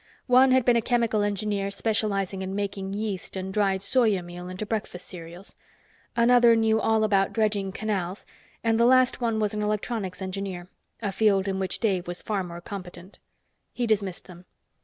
One had been a chemical engineer specializing in making yeast and dried soya meal into breakfast cereals. Another knew all about dredging canals and the last one was an electronics engineer a field in which Dave was far more competent. He dismissed them.